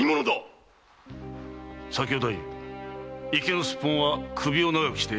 左京太夫池のスッポンは首を長くして俺を待っているのだな。